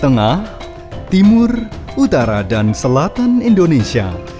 tengah timur utara dan selatan indonesia